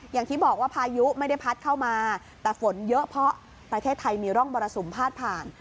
อย่างที่บอกว่าพายุไม่ได้พัดเข้ามาแต่ฝนเยอะเพราะประเทศไทยมีร่องมรสุมพาดผ่าน